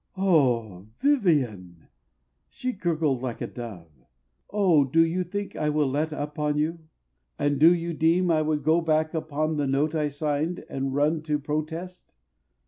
"Oh, Vivian!" she gurgled, like a dove, "Oh, do you think I will let up on you? And do you deem I would go back upon The note I signed, and run to protest?